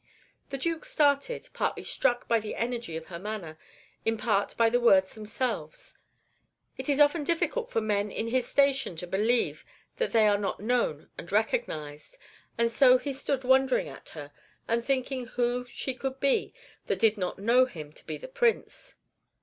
The Duke started, partly struck by the energy of her manner, in part by the words themselves. It is often difficult for men in his station to believe that they are not known and recognized; and so he stood wondering at her, and thinking who she could be that did not know him to be the Prince.